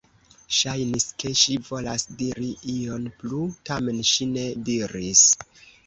Ŝajnis, ke ŝi volas diri ion plu, tamen ŝi ne diris.